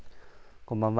こんばんは。